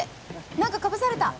何かかぶされた！